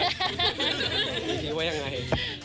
อีกทีว่ายังไง